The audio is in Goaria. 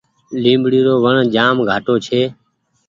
ليبڙي رو وڻ جآم گھآٽو ڇي۔